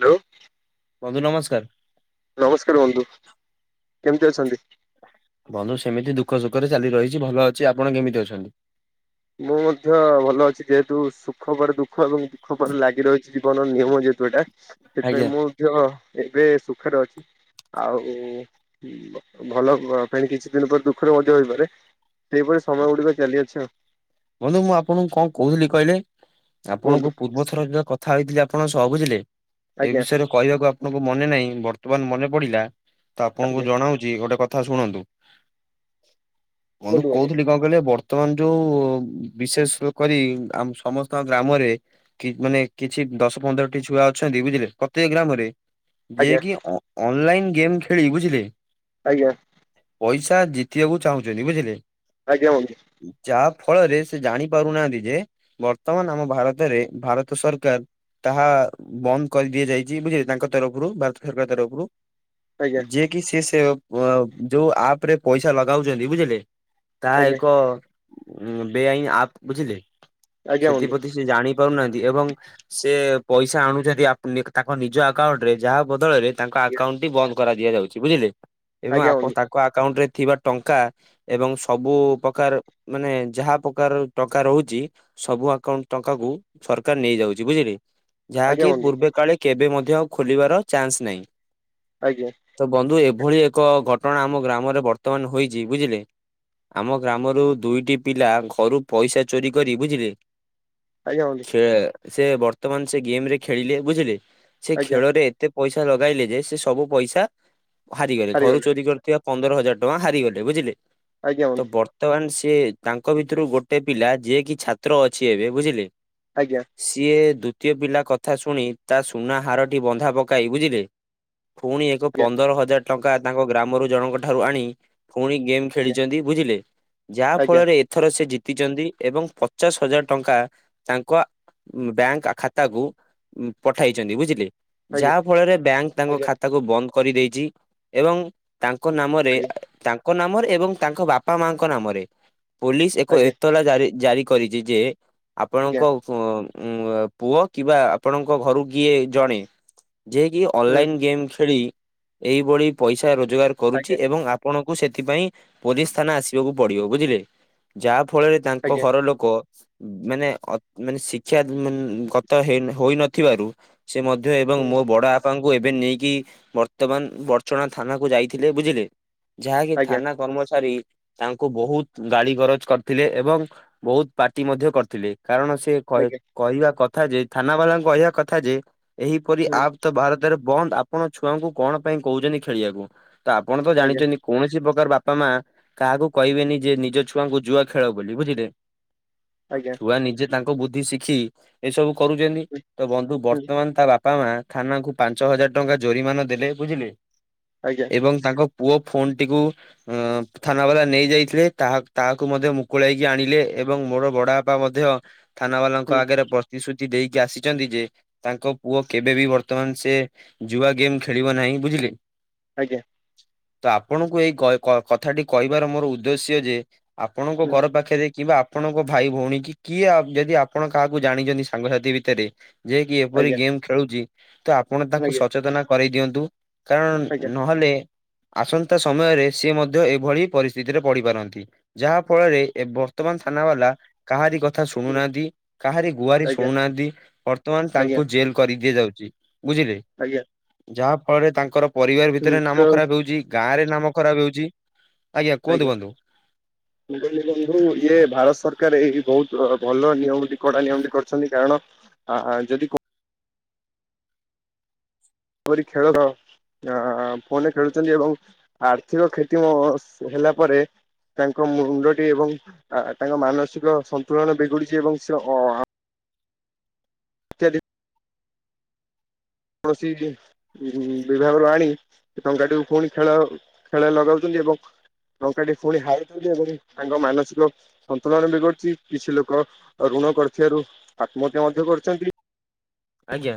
Hello ବନ୍ଧୁ ନମସ୍କାର ନମସ୍କାର ବନ୍ଧୁ। କେମିତି ଅଛନ୍ତି। ବନ୍ଧୁ ସେମିତି ଦୁଃଖ ସୁଖରେ ଚାଲି ରହିଛି ଭଲ ଅଛି ଆପଣ କେମିତି ଅଛନ୍ତି? ମୁଁ ମଧ୍ୟ ଭଲ ଅଛି ଯେହେତୁ ସୁଖ ପରେ ଦୁଃଖ ଏବଂ ଦୁଃଖ ପରେ ଲାଗି ରହିଛି ଜୀବନର ନିୟମ ଯେହେ- ଯଟା ସେଥିପାଇଁ ଆଜ୍ଞା ମୁଁ ମଧ୍ୟ ଏବେ ସୁଖରେ ଅଛି ଆଉ- ଭଲ ପାଇଁ କିଛି ଦିନ ପରେ ଦୁଃଖରେ ମଧ୍ୟ ହେଇପାରେ। ସେହିପରି ସମୟ ଗୁଡ଼ିକ ଚାଲିଅଛି ଆଉ। ବନ୍ଧୁ ମୁଁ ଆପଣଙ୍କୁ କଣ କହୁଥିଲି କହିଲେ କୁହନ୍ତୁ ଆପଣଙ୍କୁ ପୂର୍ବ ଥର ଯୋଉ କଥା କଥା ହେଇଥିଲେ ଆପଣ ସହ ବୁଝିଲେ ଏ ଆଜ୍ଞା ବିଷୟରେ। କହିବାକୁ ଆପଣଙ୍କୁ ମନେ ନାହିଁ ବର୍ତ୍ତମାନ ମନେ ପଡିଲା ତ ଆପଣଙ୍କୁ ଆଜ୍ଞା ଜଣାଉ ଗୋଟେ କଥା ଶୁଣନ୍ତୁ ବନ୍ଧୁ କହୁଥିଲି କଣ କହିଲେ ବର୍ ବର୍ତ୍ତମାନ ଯୋଉ ବିଶେଷ କରି ଆମ ସମସ୍ତଙ୍କ ଗ୍ରାମରେ ମାନେ କିଛି ଦଶ ପନ୍ଦରଟି ଛୁଆ ଅଛନ୍ତି ବୁଝିଲେ ପ୍ରତ୍ୟେକ ଗ୍ରାମରେ। ଯିଏ ଆଜ୍ଞା କିି ଅନଲାଇନ୍ ଗେମ୍ ଖେଳି ବୁଝିଲେ? ଆଜ୍ଞା। ପଇସା ଜିତିବାକୁ ଚାହୁଁଛନ୍ତି ବୁଝିଲେ। ଆଜ୍ଞା ଅ ଯାହା ଫଳରେ ସେ ଜାଣି ପାରୁନାହାନ୍ତି ଯେ ବର୍ତ୍ତମାନ ଆମ ଭାରତରେ ଭାରତ ସରକାର ତାହା ବନ୍ଦ କରିଦିଆ ଯାଇଛି ବୁଝିଲେ ତାଙ୍କ ତରଫରୁ ଭାରତ ସରକାରଙ୍କ ତରଫରୁ ଆଜ୍ଞା ଯିଏ କି ସେ ସେ ଯୋଉ ଆପ ରେ ପଇସା ଲଗାଉଛନ୍ତି ବୁଝିଲେ? ତାହା ଆଜ୍ଞା ଏକ ବେଆଇନ ଆପ ବୁଝିଲେ ଆଜ୍ଞା ବନ୍ଧୁ। ସେଥିପ୍ରତି ସେ ଜାଣି ନାହାନ୍ତି ଏବଂ ସେ ପଇସା ଆଣୁଛନ୍ତି ତାଙ୍କ ନିଜ ଆକାଉଣ୍ଟ ରେ ଯାହା ବଦଳରେ ତାଙ୍କ ଆକାଉଣ୍ଟ ଟି ବନ୍ଦ କରା ଦିଆଯାଉଛି ବୁଝିଲେ ଆଜ୍ଞା ଏବଂ ବନ୍ଧୁ ତାଙ୍କ ଆକାଉଣ୍ଟ ରେ ଥିବା ଟଙ୍କା ଏବଂ ସବୁ ପ୍ରକାର ମାନେ ଯାହା ପ୍ରକାର ଟଙ୍କା ରହୁଛି। ସବୁ ଆକାଉଣ୍ଟ ଟଙ୍କା କୁ ସରକାର ନେଇଯାଉଛି ବୁଝିଲେ? ଆଜ୍ଞା ଯାହାକି ବନ୍ଧୁ ପୂର୍ବେ କାଳେ କେବେ ମଧ୍ୟ ଖୋଲିବାର ଚାନ୍ସ ନାହିଁ। ଆଜ୍ଞା। ତ ବନ୍ଧୁ ଏଭଳି ଏକ ଘଟଣା ଆମ ଗ୍ରାମରେ ବର୍ତ୍ତମାନ ହୋଇଛି ବୁଝିଲେ? ଆମ ଗ୍ରାମରୁ ଦୁଇଟି ପିଲା ଘରୁ ପଇସା ଚୋରି କରି ବୁଝିଲେ? ଆଜ୍ଞା ହ ସେ ବର୍ତ୍ତମାନ ସେ ଗେମ ରେ ଖେଳିଲେ ବୁଝିଲେ ସେ ଆଜ୍ଞା ଖେଳରେ ଏତେ ପଇସା ଲଗାଇଲେ ଯେ ସେ ସବୁ ପଇସା ହାରିଗଲେ ଘରୁ ଚୋରି କରି ଥିବା ପନ୍ଦର ହଜାର ଟଙ୍କା ହାରିଗଲେ ବୁଝିଲେ ଆଜ୍ଞା ତ ବନ୍ଧୁ ବର୍ତ୍ତମାନ ସେ ତାଙ୍କ ଭିତରୁ ଗୋଟେ ପିଲା ଯିଏ କିି ଛାତ୍ର ଅଛି ଏବେ ବୁଝିଲେ? ଆଜ୍ଞା। ସିଏ ଦ୍ଵିତୀୟ ପିଲା କଥା ଶୁଣି ତା ସୁନା ହାରଟି ବନ୍ଧା ପକାଇ ବୁଝିଲେ। ପୁଣି ଏକ ପନ୍ଦର ହଜାର ଟଙ୍କା ତାଙ୍କ ଗ୍ରାମରୁ ଜଣଙ୍କଠାରୁ ଆଣି ପୁଣି ଗେମ୍ ଖେଳିଛନ୍ତି ବୁଝିଲେ? ଯାହା ଆଜ୍ଞା ଫଳରେ ଏଥର ସେ ଜିତିଛନ୍ତି ଏବଂ ପଚାଶ ହଜାର ଟଙ୍କା ତାଙ୍କ ଆ ବ୍ୟାଙ୍କ ଖାତାକୁ ପଠେଇଛନ୍ତି ବୁଝିଲେ? ଆଜ୍ଞା ଆଜ୍ଞା ଆଜ୍ଞା ଯାହା ଫଳରେ ବ୍ୟାଙ୍କ ତାଙ୍କ ଆଜ୍ଞା। ଖାତାକୁ ବନ୍ଦ କରିଦେଇଛି ଏବଂ ତାଙ୍କ ନାମରେ ଆଜ୍ଞା ତାଙ୍କ ନାମରେ ଏବଂ ତାଙ୍କ ବାପା ମାଙ୍କ ନାମରେ ପୋଲିସ ଏକ ଆଜ୍ଞା ଏତଲାଜାରି ଜାରି କରିଛି ଯେ ଆଜ୍ଞା ଆପଣଙ୍କ ଉ ପୁଅ କିମ୍ବା ଆପଣଙ୍କ ଘରୁ କିଏ ଜଣେ ଯିଏ କିି ହୁଁ ଅନଲାଇନ୍ ଗେମ୍ ଖେଳି ଏହିଭଳି ପଇସା ରୋଜଗାର କରୁଛି ଆଜ୍ଞା ଏବଂ ଆପଣଙ୍କୁ ସେଥିପାଇଁ ପୋଲିସ ଥାନା ଆସିବାକୁ ପଡିବ ବୁଝିଲେ? ଯାହା ଫଳରେ ତାଙ୍କ ଆଜ୍ଞା ଘର ଲୋକ ମାନେ ମାନେ ଶିକ୍ଷା ଗତ ହୋଇନଥିବାରୁ ସେ ମଧ୍ୟ ଏବଂ ହୁଁ ମୋ ବଡ ବାପାଙ୍କୁ ଏବେ ନେଇକି ବର୍ତ୍ତମାନ ବର୍ଚଣା ଥାନାକୁ ଯାଇଥିଲେ ବୁଝିଲେ? ଯାହାକି ଆଜ୍ଞା ଥାନା କର୍ମଚାରୀ ତାଙ୍କୁ ବହୁତ ଗାଳି ଗରଜ କରିଥିଲେ ଏବଂ ବହୁତ ପାର୍ଟି ମଧ୍ୟ କରିଥିଲେ କାରଣ ସେ ଆଜ୍ଞା କହିବା କଥା ଯେ ଥାନା ବାଲାଙ୍କୁ କହିବା କଥା ଯେ ଏହିପରି ହୁଁ ଆପ୍ ତ ଭାରତ ରେ ବନ୍ଦ ଆପଣ ଛୁଆଙ୍କୁ କଣ ପାଇଁ କହୁଛନ୍ତି ଖେଳିବାକୁ ତ ଆପଣ ତ ଆଜ୍ଞା ଜାଣିଛନ୍ତି କୌଣସି ପ୍ରକାର ବାପା ମା- କାହାକୁ କହିବେନି ଯେ ନିଜ ଛୁଆଙ୍କୁ ଜୁଆ ଖେଳ ବୋଲି ବୁଝିଲେ। ଆଜ୍ଞା। ବା ନିଜେ ତାଙ୍କ ବୁଦ୍ଧି ଶିଖି ଏ ସବୁ କରୁଛନ୍ତି ହୁଁ ତ ବନ୍ଧୁ ହୁଁ ବର୍ତ୍ତମାନ ତା ବାପା- ବାପା ମାା ଥାନାଙ୍କୁ ପାଞ୍ଚ ହଜାର ଟଙ୍କା ଜୋରିମାନା ଦେଲେ ବୁଝିଲୁ। ଆଜ୍ଞା। ଏବଂ ତାଙ୍କ ପୁଅ ଫୋନଟିକୁ ଅ- ଥାନା ବାଲା ନେଇ ଯାଇଥିଲେ ତାହା ତାହାକୁ ମଧ୍ୟ ମୁକୁଳେଇକି ଆଣିଲେ ଏବଂ ମୋର ବଡା ବାପା ମଧ୍ୟ - ଥାନା ବାଲାଙ୍କ ହୁଁ ଆଗରେ ପ୍ରତିଶ୍ରୁତି ଦେଇକି ଆସିଛନ୍ତି ଯେ - ତାଙ୍କ ପୁଅ କେବେ ବିି ବର୍ତ୍ତମାନ ସେ ଜୁଆ ଗେମ୍ ଖେଳିବ ନାହିଁ ବୁଝିଲେ। ଆଜ୍ଞା। ତ ଆପଣଙ୍କୁ ଏଇ କଥାଟି କହିବାର ମୋର ଉଦ୍ଦେଶ୍ୟ ଯେ - ଆପଣଙ୍କ ହୁଁ ଘର ପାଖରେ କିବା- ଆପଣଙ୍କ ଭାଇ ଭଉଣୀ କି କିଏ ଯଦି ଆପଣ କାହାକୁ ଜାଣିଛନ୍ତି ସାଙ୍ଗସାଥି ଭିତରେ- ଯଏ କି ଏପରି ଆଜ୍ଞା ଗେମ୍ ଖେଳୁଛି ତ ଆପଣ ତାଙ୍କୁ ଆଜ୍ଞା ସଚେତନ କରେଇ ଦିଅନ୍ତୁ। କାରଣ ଆଜ୍ଞା ନହେଲେ ଆସନ୍ତା ସମୟରେ ସିଏ ମଧ୍ୟ ଭଳି ପରିସ୍ଥିତିରେ ପଡି ପାରନ୍ତି ଯାହା ଫଳରେ ବର୍ତ୍ତମାନ ଥାନା ବାଲା କାହାରି କଥା ହୁଁ ଶୁଣୁନାହାନ୍ତି କାହାରି ଗୁହାରହାରୀ ଆଜ୍ଞା ଶୁଣୁନାହାଁନ୍ତି ବର୍ତ୍ତମାନ ଆଜ୍ଞା ତାଙ୍କୁ ଜେଲ କରିଦିଆଯାଉଛି ବୁଝିଲେ। ଆଜ୍ଞା। ଯାହା ଫଳରେ ତାଙ୍କର ପରିବାର ହୁଁ ଭିତରେ ନାମ ଯୋ- ଖରାପ ହେଉଛି। ଗାଁ ରେ ନାମ ଖରାପ ହେଉଛି। କୁହନ୍ତୁ ଆଜ୍ଞା ବନ୍ଧୁ। ମୁଁ କହିଲି ବନ୍ଧୁ ଇଏ ଭାରତ ସରକାର ଏଇ ବହୁତ ଭଲ ନିୟମ କଡା ନିୟମଟି କରିଛନ୍ତି କାରଣ ଆ ଯଦି ଏପରି ଖେଳର ଅ ଫୋନ ଖେଳୁଛନ୍ତି ଏବଂ ଆର୍ଥିକ କ୍ଷତି ମ ହେଲା ପରେ ତାଙ୍କ ମୁଣ୍ଡଟି ଏବଂ ତାଙ୍କ ମାନସିକ ସନ୍ତୁଳନ ବିଗୁଡିଛି ଏବଂ ସେ [unintelligible] ପ୍ରୋସିଜି ଉ ବିଭାଗରୁ ଆଣି ଟଙ୍କାଟିକୁ ପୁଣି ଖେଳ ଖେଳ ଲଗାଉଛନ୍ତି ଏବଂ ଟଙ୍କାଟି ପୁଣି ହାରିଥାଉନ୍ତି ଏବଂ ତାଙ୍କ ମାନସିକ ସନ୍ତୁଳନ ବିଗଡୁଛି କିଛି ଲୋକ ଋଣ କରିଥିବାରୁ ଆତ୍ମହତ୍ୟା ମଧ୍ୟ କରୁଛନ୍ତି। ଆଜ୍ଞା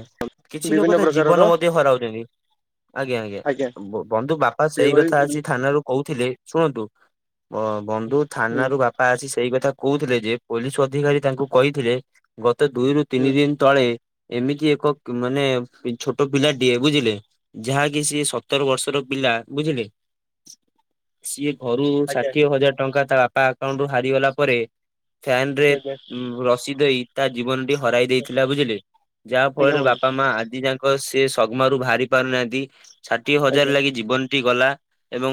କିଛି ଲୋକ ବିଭିନ୍ନ ତ ପ୍ରକାରର ଜୀବନ ମଧ୍ୟ ହରାଉଛନ୍ତି। ଆଜ୍ଞା ଆଜ୍ଞା ବନ୍ଧୁ ବାପା ସେଇ ସେଇଭଳି କଥା ଆସି ହୁଁ ଥାନ ରୁ କହୁଥିଲେ। ଶୁଣନ୍ତୁ ବନ୍ଧୁ ଥାନ ର ବାପ ପା ଆସି ସେଇ କଥା କହୁଥିଲେ ଯେ ପୋଲିସ ଅଧିକାରୀ ତାଙ୍କୁ କହିଥିଲେ ଗତ ଦୁଇରୁ ତିନି ହୁଁ ଦିନ ତଳେ ଏମିତି ଏକ ମାନେ ଛୋଟ ପିଲାଟିଏ ବୁଝିଲେ। ଯାହାକି ସିଏ ସତର ବର୍ଷର ପିଲା ବୁଝିଲେ। ସିଏ ଘରୁ ଆଜ୍ଞା ଷାଠିଏ ହଜାର ଟଙ୍କା ତା ବାପା ଆକାଉଣ୍ଟୁ ହାରିଗଲା ପରେ ଫ୍ୟାନ ରେ ଆଜ୍ଞା ରସି ଦେଇ ତା ଜୀବନଟି ହରାଇ ଦେଇଥିଲା ବୋଲି ବୁଝିଲେ। ଯାହା ଆଜ୍ଞା ଫଳରେ ବନ୍ଧୁ ବାପା ମା ଆଜି ଯାକ ସେ ଶଗ୍ମାରୁରୁ ବାହାରି ପାରୁନାହାନ୍ତି। ଷାଠିଏ ହଜାର ଆଜ୍ଞା ଲାଗି ଜୀବନଟି ଗଲା ଏବଂ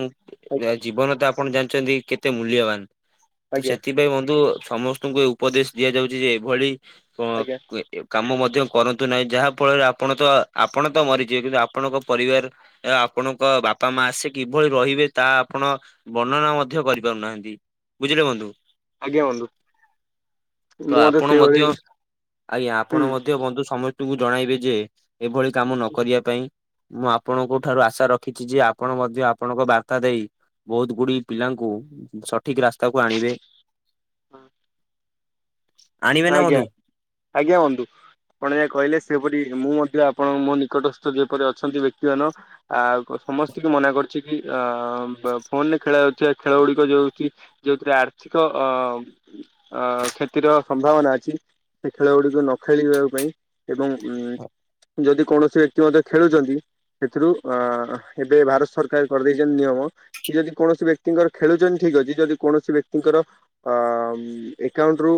ଆଜ୍ଞା ଜୀବନ ତା ଆପଣ ଜାଣିଛନ୍ତି କେତେ ମୂଲ୍ୟବାନ ତ ଆଜ୍ଞା ସେଥିପାଇଁ ବନ୍ଧୁ ସମସ୍ତ। ତମ କୁ ଉପଦେଶ ଦିଆଯାଉଛି ଯେ ଏଭଳି ଆଜ୍ଞା କାମ ମଧ୍ୟ କରନ୍ତୁ ନାହିଁ ଯାହା ଫଳରେ ଆପଣ ତ ଆପଣ ତ ମରିଯିବେ କିନ୍ତୁ ଆପଣଙ୍କ ପରିବାର। ଆପଣଙ୍କ ବାପା ମା ଆସେ କିଭଳି ରହିବେ ତା ଆପଣ ବର୍ଣ୍ଣନା ମଧ୍ୟ କରିପାରୁନାହାନ୍ତି ବୁଝିଲେ ବନ୍ଧୁ? ଆଜ୍ଞା ବନ୍ଧୁ ତ ମୁଁ ଆପଣ ମଧ୍ୟ ସେଇଭଳି ଆଜ୍ଞା ଆପଣ ହୁଁ ମଧ୍ୟ ଦ ବନ୍ଧୁ ସମସ୍ତଙ୍କୁ ଜଣାଇବେ ଯେ ଏଭଳି କାମ ନ କରିବା ପାଇଁ। ମୁଁ ଆପଣଙ୍କ ଠାରୁ ଆଶା ରଖିଛି ଯେ ଆପଣ ମଧ୍ୟ ଆପଣଙ୍କ ବାର୍ତ୍ତା ଦେଇ ବହୁତ ଗୁଡି ପିଲାଙ୍କୁ ସଠିକ ରାସ୍ତାକୁ ଆଣିବେ। ଆଣିବେ ନା ଆଜ୍ଞା ବନ୍ଧୁ। ଆଜ୍ଞା ବନ୍ଧୁ ଆପଣ ଯା କହିଲେ ସେପରି ମୁଁ ମଧ୍ୟ ଆପଣଙ୍କ ମୋ ନିକଟସ୍ଥ ଯେପରି ଅଛନ୍ତି ବ୍ୟକ୍ତି ମାନ ଆ ସମସ୍ତଙ୍କୁ ମନା କରି କି ଅ ଫୋନରେ ଖେଳ ଯାଉଥିବା ଖେଳ ଗୁଡିକ ଯୋଉଛି ଯୋଉଥିରେ ଆର୍ଥିକ ଅ ଅ କ୍ଷତିର ସମ୍ଭାବନା ଅଛି ସେ ଖେଳ ଗୁଡିକୁ ନ ଖେଳିବା ପାଇଁ ଏବଂ ଉ ଯଦି କୌଣସି ବ୍ୟକ୍ତି ମଧ୍ୟ ଖେଳୁଛନ୍ତି। ସେଥିରୁ ଅ ଏବେ ଭାରତ ସରକାର କରିଦେଇଛନ୍ତି ନିୟମ। କି ଯଦି କୌଣସି ବ୍ୟକ୍ତିଙ୍କର ଖେଳୁଛନ୍ତି ଠିକ ଅଛି ଯଦି କୌଣସି ବ୍ୟକ୍ତିଙ୍କର ଅ ଏକାଉଣ୍ଟ ରୁ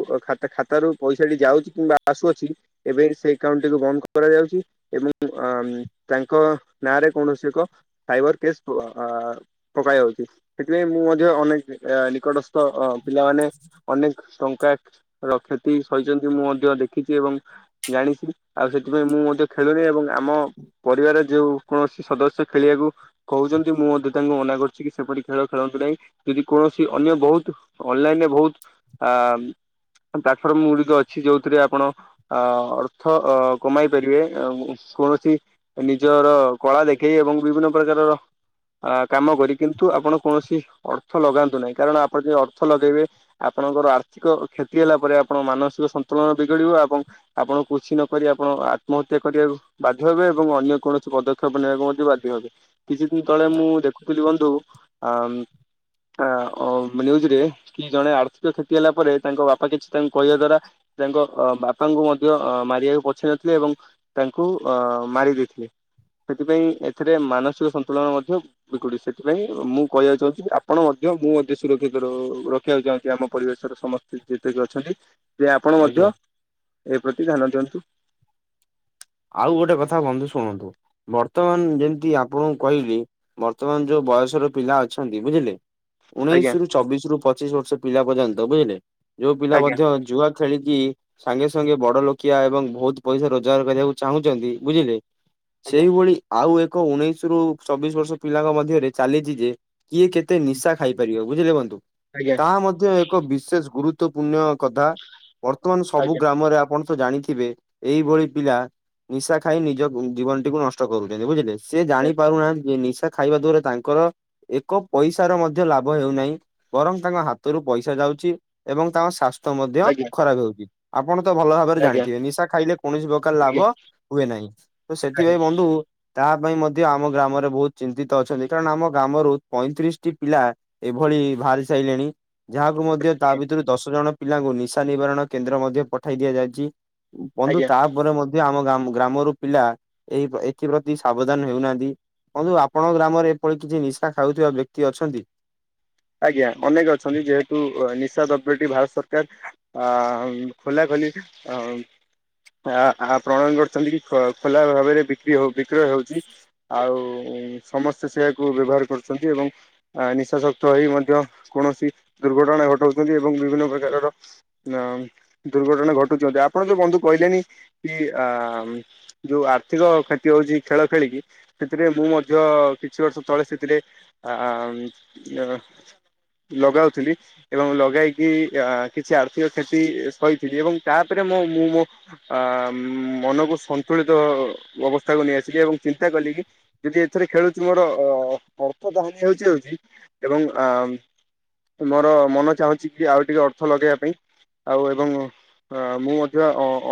ଖାତ ରୁ ପଇସାଟି ଯାଉଛି କିମ୍ବା ଆସୁଅଛି। ଏବେ ସେଇ ଏକାଉଣ୍ଟ୍ ଟିକୁ ବନ୍ଦ କରାଯାଉଛି। ଏବଂ ଅ ତାଙ୍କ ନାଁରେ କୌଣସି ଏକ ସାଇବର କେସ୍ ପକାଇ ହଉଛି ସେଥିପାଇଁ ମୁଁ ମଧ୍ୟ ଅନେକ ନିକଟସ୍ଥ ପିଲାମାନେ। ଅନେକ ଟଙ୍କା ର କ୍ଷତି ସଛନ୍ତି ମୁଁ ମଧ୍ୟ ଦେଖିଛି ଏବଂ ଜାଣିଛି ଆଉ ସେଥିପାଇଁ ମୁଁ ମଧ୍ୟ ଖେଳୁରେ ଏବଂ ଆମ। ପରିବାର ଯୋଉ କୌଣସି ସଦସ୍ୟ ଖେଳିବାକୁ। କହୁଛନ୍ତି ମୁଁ ମଧ୍ୟ ତାଙ୍କୁ ମନା କରୁଛି କି ସେପଟରି ଖେଳ ଖେଳନ୍ତୁ ନାହିଁ ଯଦି କୌଣସି ଅନ୍ୟ ବହୁତ ଅନଲାଇନରେ ବହୁତ ଅ ତାଖର ଗୁଡିକ ଅଛି ଯୋଉଥିରେ ଆପଣ ଅ ଅର୍ଥ ଅ କମାଇ ପାରିବେ କୌଣସି ନିଜର କଳା ଦେଖେଇ ଏବଂ ବିଭିନ୍ନ ପ୍ରକାରର ଅ କାମ କରି କିନ୍ତୁ ଆପଣ କୌଣସି ଅର୍ଥ ଲଗାନ୍ତୁ ନାହିଁ କାରଣ ଆପଣ ଯଦ ଅର୍ଥ ଲଗେଇବେ ଆପଣଙ୍କର ଆର୍ଥିକ କ୍ଷତି ହେଲା ପରେ ଆପଣଙ୍କ ମାନସିକ ସନ୍ତୁଳନ ବିଗଡିବ ଏବଂ ଆପଣ ଖୁସି ନ କରି ଆପଣ ଆତ୍ମହତ୍ୟା କରିବାକୁ ବାଧ୍ୟ ହେବେ ଏବଂ ଅନ୍ୟ କୌଣସି ପଦକ୍ଷେପ ନେବାକୁ ମଧ୍ୟ ବାଧ୍ୟ ହେବେ କିଛି ଦିନ ତଳେ ମୁଁ ଦେଖୁଥିଲି ବନ୍ଧୁ ଆ ଆନ୍ୟୁଜ ରେ କି ଜଣେ ଆର୍ଥିକ କ୍ଷତି ହେଲା ପରେ ତାଙ୍କ ବାପା ବାପା କିଛି ତାଙ୍କୁ କହିବା ଦ୍ଵାରା ତାଙ୍କ ବାପାଙ୍କୁ ମଧ୍ୟ ମାରିବାକୁ ପଛେଇ ନଥିଲେ ଏବଂ ତାଙ୍କୁ ଅ ମାରି ଦେଇଥିଲେ ସେଥିପାଇଁ ଏଥିରେ ମାନସିକ ସନ୍ତୁଳନ ମଧ୍ୟ ବ ସେଥିପାଇଁ ମୁଁ କହିବାକୁ ଚାହୁଁଛି ଆପଣ ମଧ୍ୟ ମୁଁ ମଧ୍ୟ ସୁରକ୍ଷିତ ଶଖକୁନ୍ତି ଆମ ପରିବେଶର ସମସ୍ତେ ଯେତିକି ଅଛନ୍ତି ସେ ଆପଣ ମଧ୍ୟ ଆଜ୍ଞା ଏ ପ୍ରତି ଧ୍ୟାନ ଦିଅନ୍ତୁ ଆଉ ଗୋଟେ କଥା କୁହନ୍ତୁ ଶୁଣନ୍ତୁ ବର୍ତ୍ତମାନ ଯେମିତି ଆପଣଙ୍କୁ କହିଲି ବର୍ତ୍ତମାନ ଯୋଉ ବୟସର ପିଲା ଅଛନ୍ତି ବୁଝିଲେ ଆଜ୍ଞା ଉଣେଇଶ ରୁ ଚବିଶ ରୁ ପଚିଶ ବର୍ଷ ପିଲା ପର୍ଯ୍ୟନ୍ତ ବୁଝିଲେ ଯୋଉ ପିଲା ଆଜ୍ଞା ମଧ୍ୟ ଯୁଆ ଖେଳିକି ସାଙ୍ଗେ ସାଙ୍ଗେ ବଡ ଲୋକିଆ ଏବଂ ବହୁତ ପଇସା ରୋଜଗାର କରିବାକୁ ଚାହୁଁଛନ୍ତି ବୁଝିଲେ ଆଜ୍ଞା ସେଇଭଳି ଆଉ ଏକ ଉଣେଇଶ ରୁ ଚବିଶ ବର୍ଷ ପିଲାଙ୍କ ମଧ୍ୟରେ ଚାଲିଛି ଯେ କିଏ କେତେ ନିଶା ଖାଇପାରିବ ବୁଝିେଖନ୍ତୁ ଆଜ୍ଞା ତାହା ମଧ୍ୟ ଏକ ବିଶେଷ ଗୁରୁତଵପୂର୍ଣ୍ଣ କଥା ବର୍ତ୍ତମାନ ସବୁ ଆଜ୍ଞା ଗ୍ରାମରେ ଆପଣ ତ ଜାଣିଥିବେ ଏଇଭଳି ପିଲା ନିଶା ଖାଇ ନିଜ ଜୀବନ ଟିକୁ ନଷ୍ଟ କରୁଛନ୍ତି ବୁଝିଲେ ସେ ଜାଣି ଆଜ୍ଞା ପାରୁନାହାନ୍ତି ଯେ ନିଶା ଖାଇବା ଦ୍ଵାରା ତାଙ୍କର ଏକ ପଇସ ର ମଧ୍ୟ ଲାଭ ହେଉନାହିଁ ବରଂ ତାଙ୍କ ହାତରୁ ପଇସା ଯାଉଛି ଏବଂ ତାଙ୍କ ଶାଶ ମଧ୍ୟ ଆଜ୍ଞା ଖରାପ ହେଉଛି ଆପଣ ତ ଭଲ ଭାବରେ ଆଜ୍ଞା ଜାଣିଥିବେ ନିଶା ଖାଇଲେ କୌଣସି ପ୍ରକାର ଆଜ୍ଞା ଲାଭ ହୁଏ ନାହିଁ ତ ଆଜ୍ଞା ସେଥିପାଇଁ ବନ୍ଧୁ ତାହା ପାଇଁ ମଧ୍ୟ ଆମ ଗ୍ରାମରେ ବହୁତ ଚିନ୍ତିତ ଅଛନ୍ତି କାରଣ ଆମ ଗ୍ରାମରୁ ପଇଁତିରିଶ ଟି ପିଲା ଏଭଳି ବାହାରି ସାରିଲଣି ଯାହାକୁ ମଧ୍ୟ ତା ଭିତରୁ ଦଶ ଜଣ ପିଲାଙ୍କୁ ନିଶା ନିବାରଣ କେନ୍ଦ୍ର ମଧ୍ୟ ପଠାଇ ଦିଆଯାଇଛି ବନ୍ଧୁ ଆଜ୍ଞା। ତାପରେ ମଧ୍ୟ ଆମ ଗାଁ ଗ୍ରାମ ରୁ ପିଲା ଏ ଏଥିପତି ସାବଧାନ ହେଉନାହାନ୍ତି ବନ୍ଧୁ ଆପଣଙ୍କ ଗ୍ରାମରେ ଏପରି କିଛି ନିଶା ଖାଉଥିବା ବ୍ୟକ୍ତି ଅଛନ୍ତି ଆଜ୍ଞା ଅନେକ ଅଛନ୍ତି ଯେହେତୁ ନିଶା ଦ୍ରବ୍ୟଟି ଭାରତ ସରକାର ଅ ଖୋଲା ଖୋଲି ଆ ପ୍ରଣୟନ କରୁଛନ୍ତି କି ଖୋଲା ଭାବରେ ବିକ୍ରି ହଉ ବିକ୍ରୟ ହଉଛି ଆଉ ସମସ୍ତେ ସେ ଏହାକୁ ବ୍ୟବହାର କରୁଛନ୍ତି ଏବଂ ନିଶାସକ୍ତ ଚଳେଇ ମଧ୍ୟ କୌଣସି ଦୁର୍ଘଟଣା ଘଟଉଛନ୍ତି ଏବଂ ବିଭିନ୍ନ ପ୍ରକାରର ନା ଦୁର୍ଘଟଣା ଘଟୁଛନ୍ତି ଆପଣ ଯୋଉ ବନ୍ଧୁ କହିଲେନି କି ଆ ଯୋଉ ଆର୍ଥିକ କ୍ଷତି ହଉଛି ଖେଳ ଖେଳିକି ସେଥିରେ ମୁଁ ମଧ୍ୟ କିଛି ବର୍ଷ ତଳେ ସେଥିରେ ଆ ଲଗାଉଥିଲି ଏବଂ ଲଗାଇକି କିଛି ଆର୍ଥିକ କ୍ଷତି ସହିଥିଲି ଏବଂ ତାପରେ ମୋ ମୁଁ ମୋ ଆ ମନକୁ ସନ୍ତୁଳିତ ଅବସ୍ଥାକୁ ନେଇଆସିଲି ଏବଂ ଚିନ୍ତା କଲି କି ଯଦି ଏଥିରେ ଖେଳୁଛି ମୋର ଅ ଅର୍ଥ ତ ହାନି ହେଉଛି ହଉଛି ଏବଂ ଆ ମୋର ମନ ଚାହୁଁଛି କି ଆଉ ଟିକେ ଅର୍ଥ ଲଗେଇବା ପାଇଁ ଆଉ ଏବଂ ମୁଁ ମଧ୍ୟ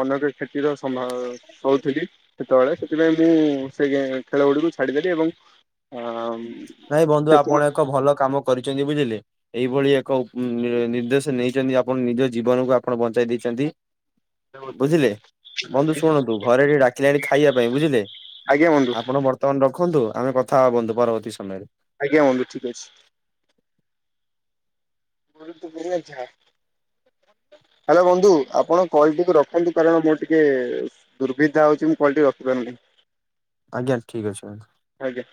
ଅନେକ କ୍ଷତିର ସମ୍ଭା କଉଥିଲି ସେତେବେଳେ ସେଥିପାଇଁ ମୁଁ ସେ ଖେଳ ଗୁଡିକୁ ଛାଡିଦେଲି ଏବଂ ହଁ ନାଇଁ ବନ୍ଧୁ ଆପଣ ଏକ ଭଲ କାମ କରିଛନ୍ତି ବୁଝିଲେ ଏଇଭଳି ଏକ ନିର୍ଦ୍ଦେଶ ନେଇଛନ୍ତି ଆପଣ ନିଜ ଜୀବନକୁ ଆପଣ ବଞ୍ଚାଇ ଦେଇଛନ୍ତି ବୁଝିଲେ ବନ୍ଧୁ ଶୁଣନ୍ତୁ ଘରେ ଟିକି ଡାକିଲେଣି ଖାଇବା ପାଇଁ ବୁଝିଲେ ବନ୍ଧୁ ଆପଣ ବର୍ତ୍ତମାନ ତମ ରଖନ୍ତୁ ଆମେ କଥା ହବା ବନ୍ଧୁ ପରବର୍ତ୍ତୀ ସମୟରେ। ଆଜ୍ଞା ବନ୍ଧୁ ଠିକ୍ ଅଛି। [unintelligible] ହାଲୋ ବନ୍ଧୁ ଆପଣ କଲଟିକୁ ରଖନ୍ତୁ କାରଣ ମୁଁ ଟିକେ ଦୁର୍ବିଧା ହଉଛି କିନ୍ତୁ କଲଟିକୁ ରଖିପାରୁନି ଆଜ୍ଞା ଠିକ୍ ଅଛି। ଆଜ୍ଞା।